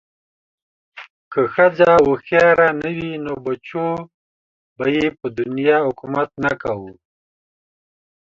که ښځه هوښیاره نه وی نو بچو به ېې په دنیا حکومت نه کوه